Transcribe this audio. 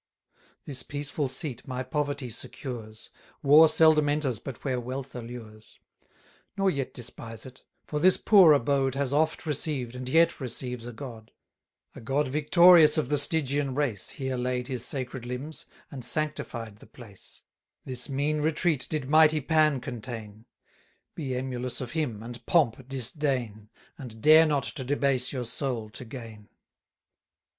This peaceful seat my poverty secures; War seldom enters but where wealth allures: Nor yet despise it; for this poor abode Has oft received, and yet receives a God; A God victorious of the Stygian race Here laid his sacred limbs, and sanctified the place, 710 This mean retreat did mighty Pan contain: Be emulous of him, and pomp disdain, And dare not to debase your soul to gain.